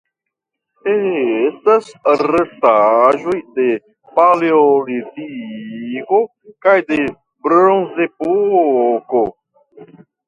Estas restaĵoj de Paleolitiko kaj de Bronzepoko.